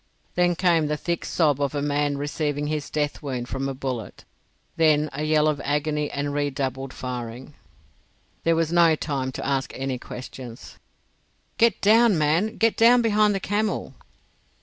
Then came the thick sob of a man receiving his death wound from a bullet; then a yell of agony and redoubled firing. There was no time to ask any questions. "Get down, man! Get down behind the camel!"